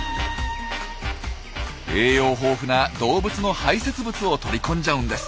栄養豊富な動物の排せつ物を取り込んじゃうんです。